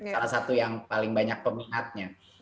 salah satu yang paling banyak peminatnya